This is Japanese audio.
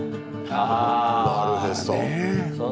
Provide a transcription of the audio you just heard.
なるへそ。